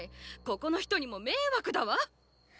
ここの人にも迷惑だわ。